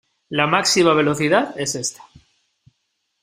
La máxima velocidad es esta.